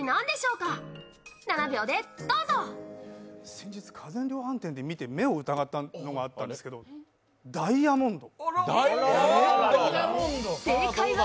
先日、家電量販店で見て目を疑ったのがあったんですけど、ダイヤモンド？